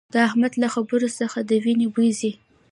د احمد له خبرو څخه د وينې بوي ځي